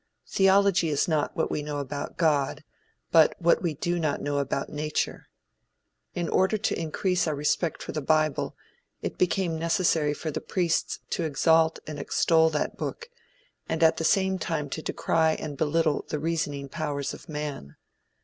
Theology is not what we know about God, but what we do not know about Nature. In order to increase our respect for the bible, it became necessary for the priests to exalt and extol that book, and at the same time to decry and belittle the reasoning powers of man.